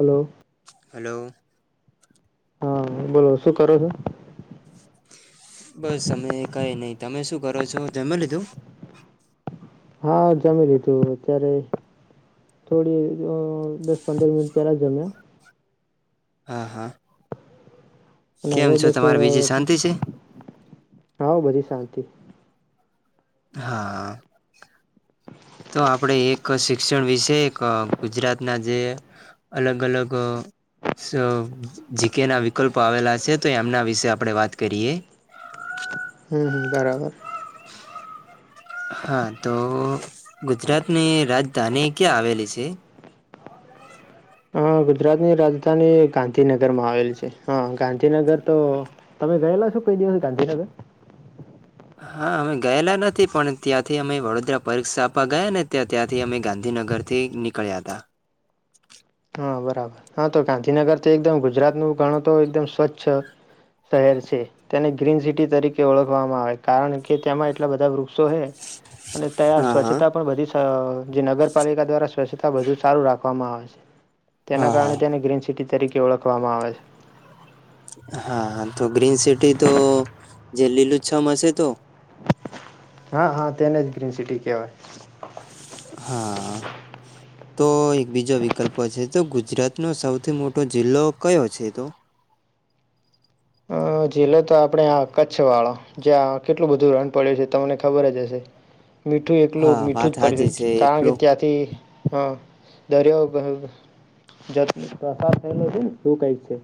Hello hello? હા બોલો શું કરો છો? બસ, અમે કઈ નહી. તમે શું કરો છો? જમી લીધું? હા જમી લીધું. અત્યારે થોડી દસ, પંદર મિનિટ પેલા જમ્યા. હા હા! અને કેમ હવે છો બસ તમારે બીજી શાંતિ છે [unintelligible] હા હો બધી શાંતિ. હાઆઆ તો આપણેે એક શિક્ષણ વિશે એક ગુજરાતના જે અલગ અલગ અ વિકલ્પો આવેલા છે તો એમના વિશે આપણે વાત કરીએ [unintelligible] હું હું બરાબર હા તો ગુજરાતની રાજધાની ક્યાં આવેલી છે અ ગુજરાત ની રાજ પોતાની ગાંધીનગર માં આવેલ છે હા ગાંધીનગર તો તમે ગયેલો છો કઈ દિવસ ગાંધીનગર હા અમે ગયેલા નથી પણ ત્યાંથી અમે વડોદરા પરીક્ષાવા ગયા ને ત્યા ત્યાંથી અમે ગાંધીનગરથી નીકળ્યા હતા હા બરાબર હા તો ગાંધીનગર એકદમ ગુજરાત નું ગણો તો એકદમ સ્વચ્છ છ શહેર છે તેને ગ્રીન સિ ટી તરીકે ઓળખવામાં આવે કારણ કે તેમાં એટલા બધા વૃક્ષો હે અને ત્યાં હા હા સ્વચ્છતા પણ બધી જે નગરપાલિકા દ્વારા સ્વચ્છતા બધુ સારું રાખવામાં આવે છે તેના હા હા કારણે તેને ગ્રીન સિ ટી તરીકે કે ઓળખવામાં આવે છે હા તો ગ્રીન સિ ટી તો જે લીલુંછમ હશે તો હા હા તેને જ ગ્રીન સિ ટી કહેવાય હા તો એક બીજો વિકલ્પ છે તો ગુજરાત નો સૌથી મોટો જિલ્લો કયો છે તો અ જિલ્લો તો આપણેે આ કચ્છ વાળા જ્યાં કેટલું બધું રન પડ્યું છે તમને ખબર જ હશે મીઠું એકલું હા મીઠું વાત જ સાચી છે [inaudible] કારણ કે એકલો ત્યાંથી દરિયો [inaudible] પ્રસાર થયેલો છે ને શું કઈ છે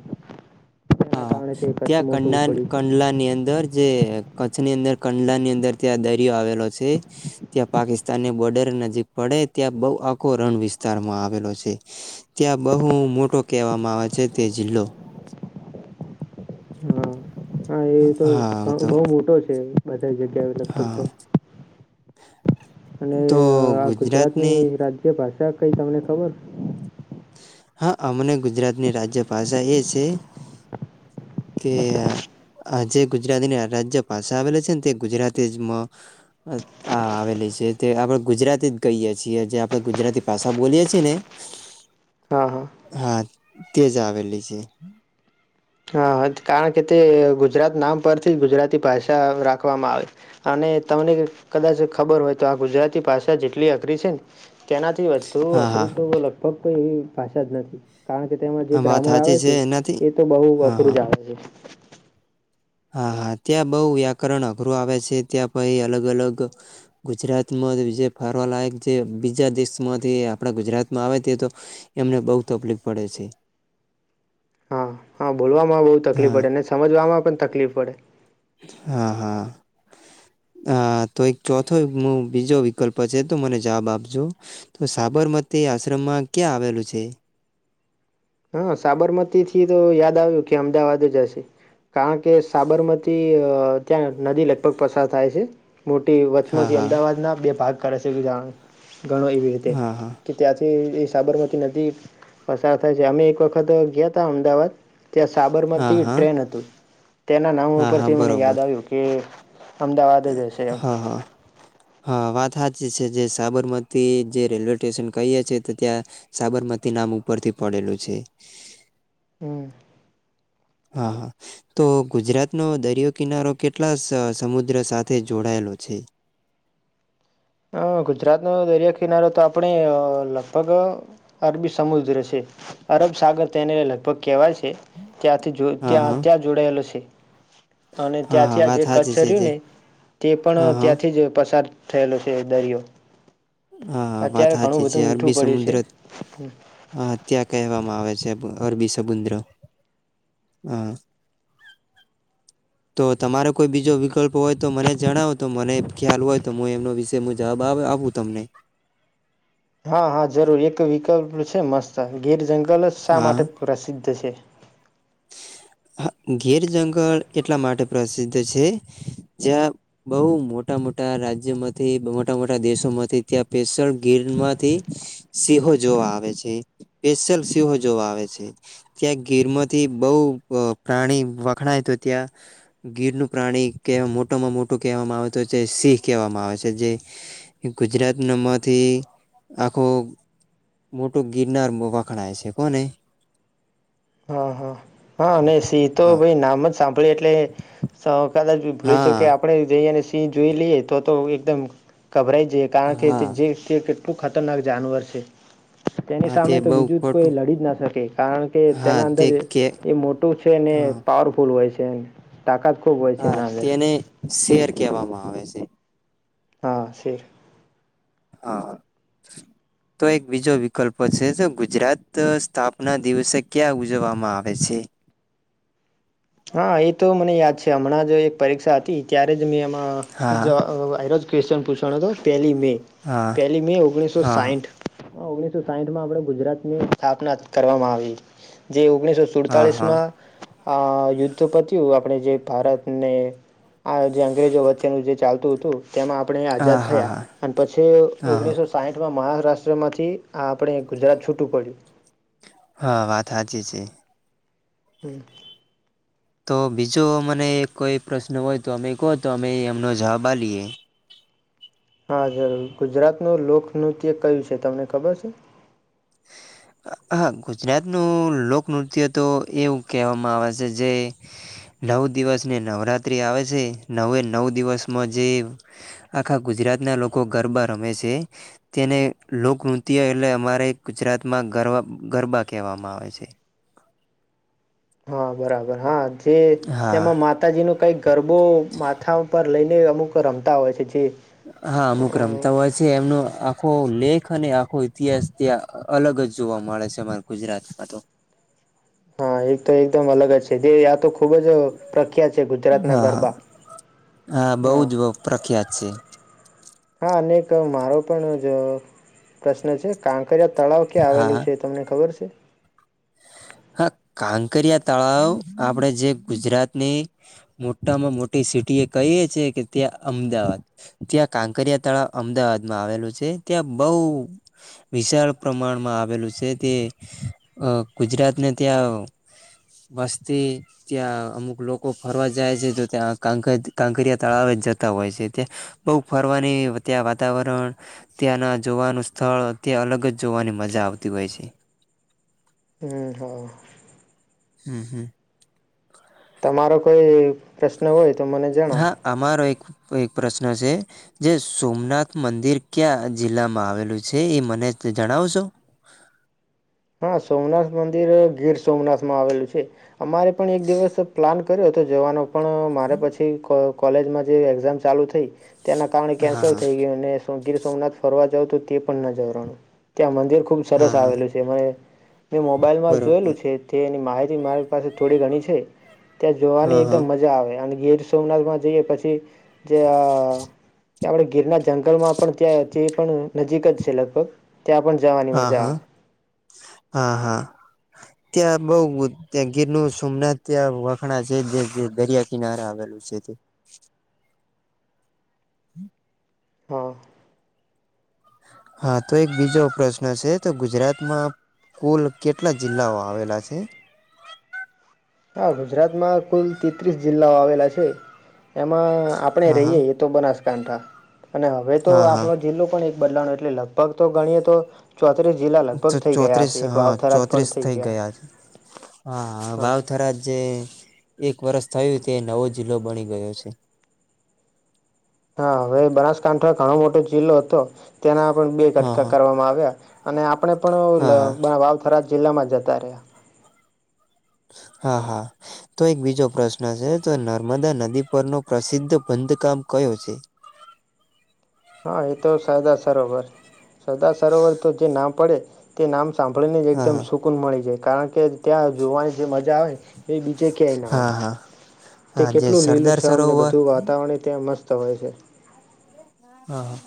તેના હા કારણે તે કચ્છ મોટું પડ્યું છે ત્યાં [unintelligible] ની અંદર જે કચ્છની અં કંડલા ની અંદર ત્યાં દરિયો આવેલો છે ત્યાં પાકિસ્તાનની બોર્ડર નજીક પડે ત્યાં બો આખો રણ વિસ્તારમાં આવેલો છે ત્યાં બહુ મોટો કહેવામાં આવે છે તે જિલ્લો હા હા એ તો હા તો બોઉ મોટો છે [inaudible] અને હા આ ગુજરાતની રાજ્ય ભાષા કઈ તમને ખબર હા અમને ગુજરાતની રાજ્યભાષા એ છે કે જે ગુજરાતીની રાજ્ય ભાષા આવેલી છે ને તે ગુજરાતી મ આવેલી છે તે આપણે ગુજરાતી જ કહીએ છીએ જે આપણેે ગુજરાતી ભાષા બોલીએ છીએ ને હા હા હા તેજ આવેલી છે. હા કારણ કે તે ગુજરાત નામ પરથી જ ગુજરાતી ભાષા રાખવામાં આવે અને તમને કદાચ ખબર હોય તો આ ગુજરાતી ભાષા જેટલી અઘરી છે ને તેનાથી વધુ હા હા અઘરી તો લગભગ કોઈ એવી ભાષા જ નથી. કારણ કે તેમાં જે આ વાત ગ્રામર સાચી આવે છે એનાથી એ તો બહુ હા અઘરું જ હા આવે છે. હા હા ત્યાં બહુ વ્યાકરણ અઘરું આવે છે. ત્યાં પહી અલગ અલગ ગુજરાતમાં બીજે ફરવાલાયક જે બીજા દેશમાંથી આપણા ગુજરાતમાં આવે તે તો એમને બહુ તપલીક પડે છે. હા હા બોલવામાં બહુ તકલીફ હા પડે ને સમજવામાં પણ તકલીફ પડે. હા હા હા તો એક ચોથો બીજો વિકલ્પ છે તો મને જવાબ આપજો. તો સાબરમતી આશ્રમમાં ક્યાં આવેલું છે એ? હહ સાબરમતીથી તો યાદ આવ્યું કે અમદાવાદ જ હશે. કારણ કે સાબરમતી ત્યાં નદી લગભગ પસાર થાય છે. મોટી હા, વચમાંથી હા. અમદાવાદના બે ભાગ કરે છે [inaudible] ઘણો એવી રીતે હા, હા. કે ત્યાંથી સાબરમતી નદી પસાાર થાય છે. અમે એક વખત ગયાતા અમદાવાદ ત્યાં હા, સાબરમતી હા. ટ્રેન હતું. તેના નામ હા, હા. ઉપરથી મને યાદ બરોબર. આવ્યું કે અમદાવાદ જ હશે એમ હા, હા. હા, વાત હાચી છે જે સાબરમતી જે રેલ્વે ટેશન કહીએ છીએ તો ત્યાં સાબરમતી નામ ઉપરથી પડેલું છે એ હમ હા હા તો ગુજરાતનો દરિયો કિનારો કેટલા સ સમુદ્ર સાથે જોડાયેલો છે? હહ ગુજરાતનો દરિયા કિનારો તો આપણે લગભગ અરબી સમુદ્ર છે. અરબ સાગર તેને લગભગ કહેવાય છે. તે ત્યાંથી જો હા, ત્યાં હા. ત્યાં જોડાયેલો છે. અને હા, હા. ત્યાંથી આ વાત જે હાચી કચ્છ છે જે. રયુને તે હા, પણ હા. ત્યાંથી જ પસાર થયેલો છે. તે દરિયો હા હા વાત અત્યારે ઘણું હાચી છે. બધું મીઠું અરબી પડ્યું છે સમુદ્ર હ ત્યાં કહેવામાં આવે છે. અરબી સમુદ્ર હહ તો તમારો કોઈ બીજો વિકલ્પ હોય તો મને જણાવો. તો મને ખ્યાલ હોય તો મુ એમના વિશે મુ જવાબ આપું તમને હા હા જરૂર એક વિકલ્પ છે મસ્ત ગીર જંગલ જંગલ જ શા માટે હા પ્રસિદ્ધ છે. હા ગીર જંગલ એટલા માટે પ્રસિદ્ધ છે જ્યાં બહુ મોટા મોટા રાજ્યોમાંથી બો મોટા મોટા દેશો માંથી ત્યાં સ્પેશલ ગીર માંથી સિંહો જોવા આવે છે સ્પેશલ સિંહો જોવા આવે છે ત્યાં ગીર માંથી બોવ અ પ્રાણી વખણાય તો ત્યાં ગીરનું પ્રાણી કે મોટામાં મોટું કહેવામાં આવે તો તે સિંહ કહેવામાં આવે છે જે ગુજરાતના માંથી આખો મોટું ગીરનાર વખણાય છે કોને હા હા હા અને સિંહ તો હા ભઈ નામ જ સાંભળી એટલે સ કદાચ ભી ભૂલે હા ચૂકે આપણે જઈએને સિં ને જોઈ લઈએ તો તો એકદમ ગભરાઈ જઈએ કારણ કે હા તે જે કે આટલું ખતરનાક જાનવર છે. તેની હા તે સામે તો બઉ બીજુ કોઈ ખોટું લડી જ ના શકે કારણ કે હા તેના તે અંદર એ કે એ મોટું છે ને હા પાવરફુલ હોય તેન હા તેને શેર કહેવામાં આવે છે. હા સેર હા તો એક બીજો વિકલ્પ છે તો ગુજરાત સ્થાપના દિવસે ક્યાં ઉજવવામાં આવે છે. હા એ તો મને યાદ છે. હમણાં જો એક પરીક્ષા હતી ત્યારે જ મે એમાં શુ હા જવાબ આયરો ક્વેશ્ચન પૂછાનો હતો પહેલી મે હા પહેલી મે ઓગણીસો હા સાઈઠ ઓગણીસો સાઈઠ માં આપડે ગુજરાતની સ્થાપના કરવામાં આવી જે ઓગણીસો હા સુડતાલીસ હા માં આ યુદ્ધ પત્યું આપણે જે ભારતને આ જે અંગ્રેજો વચ્ચેનું જે ચાલતું હતું તેમાં આપણે આઝાદ હા હા હા થયા અને પછી હા હા ઓગણીસો સાઈઠમાં મહારાષ્ટ્ર ટ્ર માંથી આ આપણે ગુજરાત છૂટું પડ્યું હા વાત હાચી છે. હમ તો બીજો મને કોઈ પ્રશ્ન હોય તો અમે કહો તો અમે એમનો જવાબ આલએ હા જરૂર ગુજરાતનું લોકનૃત્ય કયું છે તમને ખબર છે. હા ગુજરાતનું લોકનૃત્ય તો એવું કહેવામાં આવે છે જે નવ દિવસને નવરાત્રિ આવે છે નવે નવ દિવસમાં જે આખા ગુજરાતના લોકો ગરબા રમે છે તેને લોકનૃત્ય એટલે અમારે ગુજરાતમાં ગરવ ગરબા કહેવામાં આવે છે. હા બરાબર હા જે હા કઈ ગરબો માથા પર લઈને અમુક રમતા હોય છે જે હા અમુક અ રમતા હોય છે એમનું આખો લેખ અને આખો ઇતિહાસ ત્યાં અલગ જ જોવા મળે છે અમારા ગુજરાતમાં તો હા એ એક તો એકદમ અલગ જ છે તે તો ખૂબ જ હા હા હા બહુ જ પ્રખ્યાત છે મારો પણ પ્રશ્ન છે આ કજયા તળાવ ક્યાં હા આવેલું હા છે તમને ખબર છે હા કાંકરિયા તળાવ આપણેે જે ગુજરાતની મોટામાં મોટી સિટી એ કહીએ છેીએ કે ત્યાં અમદાવાદ ત્યાં કાંકરિયા તળાવ અમદાવાદમાં આવેલું છે ત્યાં બહુ વિશાળ પ્રમાણમાં આવેલું છે તે ગુજરાત અનેને ત્યાં વસ્તી ત્યાં અમુક લોકો ફરવા જાય છે તો ત્યાં કાંક કાંકરિયા તળાવ જ જતા હોય છે ત્યાં બહુ ફરવાની ત્યાં વાતાવરણ ત્યાંના જોવાનું સ્થળ ત્યાં અલગ જ જોવાની મજા આવતી હોય છે હમ હા હમ હમ મારો કોઈ પ્રશ્ન પ્ર્ન હોય તો મને જણાવ હા અમારો એક એક પ્રશ્ન છે જે સોમનાથ મંદિર ક્યાં જિલ્લામાં આવેલું છે એ મને જણાવશો હા સોમનાથ મંદિર ગીર સોમનાથમાં આવેલું છે અમારે પણ એક દિવસ પ્લાન કર્યો હતો જવાનો પણ મારે પછી ક કોલેજમાં જે એક્ઝામ ચાલુ થઈ તેના કારણે કેન્સલ હા થઈ ગયું ને શું ગીર સોમનાથ ફરવા જવું તે પણ નજવાનું ત્યાં મંદિર ખૂબ સરસ હા આવેલું છે મે મોબાઈલમાં જોયેલું બરોબર છે તે માહિતી મારી પાસે થોડી ઘણી છે ત્યાં જોવાની હા હા એકદમ મજા આવે ગીર સોમનાથમાં જઈએ પછી જે આ કે આપણે ગીરના જંગલમાં પણ ત્યાં તે પણ નજીક જ છે લગભગ ત્યાં પણ જવાની હા મજા હા આવે હા હા ત્યાં બહ ત્યાં ગીરનું સોમનાથ ત્યાં વખાણા છે જે દરિયા કિનારે આવેલું છે તે હમ હા હા તો એક બીજો પ્રશ્ન છે તો ગુજરાતમાં કુલ કેટલા જિલ્લાઓ આવેલા છે હા ગુજરાતમાં કુલ તેત્રીસ જિલ્લાઓ આવેલા છે એમાં આપડણે હા હા રહીયએ એ તો બનાસકાંઠા ઘડાા અને હવે તો હા હા આપણો જિલ્લો પણ બદલાવ એટલે લાવું. લગભગ તો ગણીએ તો ચોત્રીસ જિલ્લા લગભગ તો થઈ ગયા હશે. ચોત્રીસ એક હા વાવ-થરાદ પણ ચોત્રીસ થઈ ગયા. છે. હા, વાવ-થરાદ જે. એક વર્ષ થયું, તે નવો જિલ્લો બની ગયો છે. હા, હવે બનાસકાંઠા ઘણો મોટો જિલ્લો હતો. તેના પણ બે હા કટકા હા કરવામાં આવ્યા અને આપણે હા હા પણ વાવ- થરાદ. જિલ્લા માં જતા રહીયા. હા હા તો એક બીજો પ્રશ્ન છે તો નર્મદા નદી પરનો પ્રસિદ્ધ બંધકામ કયો છે? હા, એ તો સરદાર સરોવર સરદાર સરોવર તો જે નામ પડે તે નામ. સાંભળી ને જ હા એકદમ હા સુકૂન મળી જાય. કારણ કે ત્યાં જોવાની જે મજા આવે. એ બીજે ક્યાંય ના હોય, હા હા તે હા જે કેટલું સરદાર લીલુંછમ ને સરોવર બધું વાતાવરણ ત્યાં મસ્ત. તો હોય છે. હા હા.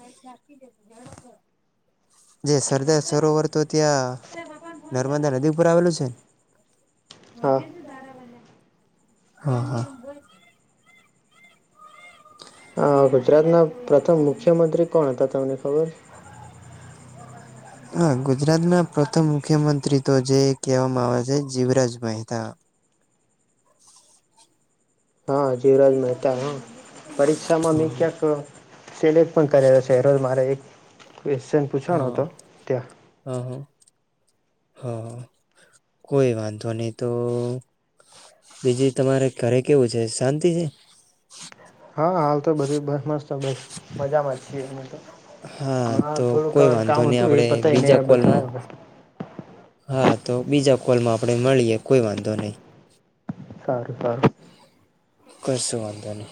જે સરદાર સરોવર તો ત્યા નર્મદા નદી ઉપર આવેલું છે. હા [unintelligible] હા હા. અ [unintelligible] ગુજરાતના પ્રથમ મુખ્યમંત્રી કોણ હતા તમને ખબર હા, ગુજરાત ના પ્રથમ મુખ્યમંત્રી તો જે કહેવામાં આવે છે, જીવરાજ મહેતા. હા, જીવરાજ મહેતા. હા, પરીક્ષામાં મેં હા ક્યાંક સિલેક્ટ પણ કરેલો છે જ મારે એક કેશ્વન પૂછાનો હતો ત્યાં. હા હા હા હા, કોઈ વાંધો નહી. તો બીજી તમારે ઘરે કેવું છે? શાંતિ છે? હા, હાલ તો બધી બસ મસ્ત, બહુ મજામાં જ છીએ તો. હા, તો થોડું કોઈ વાંધો કામ નહી, હતું એ આપડે પતાયને બીજા કોલમાં. બતાવ્યો હા, તો બીજા કોલમાં આપણે મળીએ, કોઈ વાંધો નહી. સારું સારું. કશો વાંધો નહી?